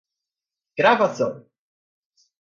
gravação